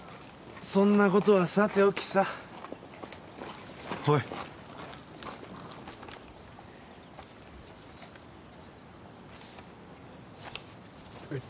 そんなことはさておきさほいえッ